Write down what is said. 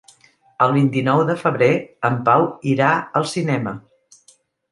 El vint-i-nou de febrer en Pau irà al cinema.